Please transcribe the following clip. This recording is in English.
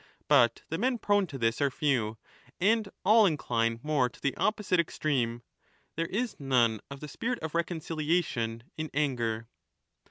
But the men prone to this are few, and all incline more to the opposite extreme ; there is none of the spirit of reconciliation ^ in anger.